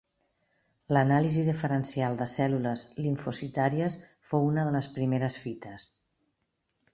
L'anàlisi diferencial de cèl·lules limfocitàries fou una de les primeres fites.